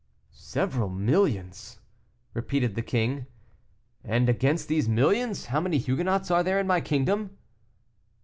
"Several millions!" repeated the king; "and against these millions, how many Huguenots are there in my kingdom?"